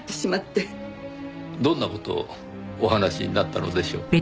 どんな事をお話しになったのでしょう？